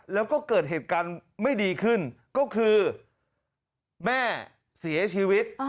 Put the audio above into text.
แล้วก็เกิดเหตุการณ์ไม่ดีขึ้นก็คือแม่เสียชีวิต